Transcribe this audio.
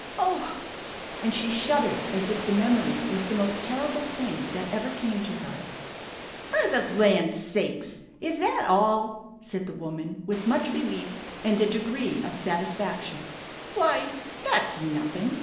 Oh!" and she shuddered as if the memory was the most terrible thing that ever came to her. "Fer the land sakes! Is that all?" said the woman with much relief and a degree of satisfaction. "Why, that's nothing.